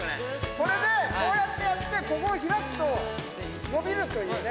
これでこうやってやってここを開くと伸びるというね。